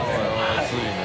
安いね。